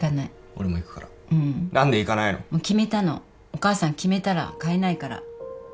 お母さん決めたら変えないから。